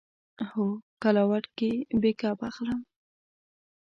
هو، کلاوډ کې بیک اپ اخلم